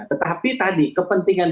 tetapi tadi kepentingan